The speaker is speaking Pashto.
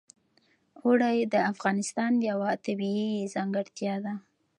اوړي د افغانستان یوه طبیعي ځانګړتیا ده.